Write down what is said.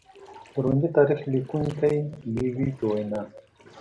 د رومي تاریخ لیکونکي لېوي په وینا